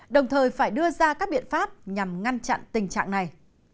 đồng thời phải đưa ra các biện pháp nhằm ngăn chặn tình trạng này